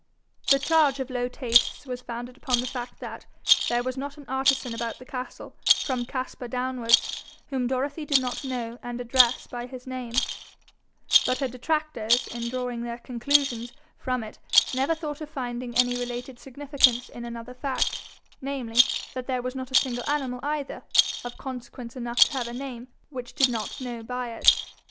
The charge of low tastes was founded upon the fact that there was not an artisan about the castle, from Caspar downwards, whom Dorothy did not know and address by his name; but her detractors, in drawing their conclusions from it, never thought of finding any related significance in another fact, namely, that there was not a single animal either, of consequence enough to have a name, which did not know by it.